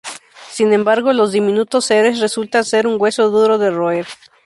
Sin embargo, los diminutos seres resultan ser un hueso duro de roer.